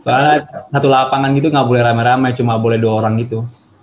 soalnya satu lapangan gitu nggak boleh rame rame cuma boleh dua orang gitu